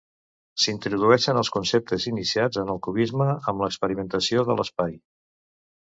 S'introdueixen els conceptes iniciats en el cubisme amb l'experimentació de l'espai.